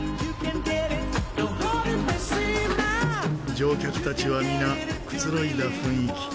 乗客たちは皆くつろいだ雰囲気。